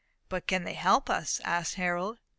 "But can they help us?" asked Harold.